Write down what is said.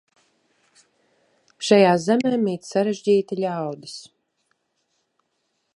Šajā zemē mīt sarežģīti ļaudis.